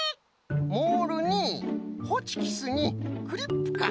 モールにホチキスにクリップか。